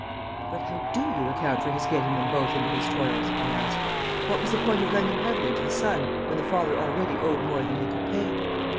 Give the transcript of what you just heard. "But how do you account for his getting them both into his toils?" I asked. "What was the point of lending heavily to the son when the father already owed more than he could pay?"